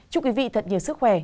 chúc quý vị thật nhiều sức khỏe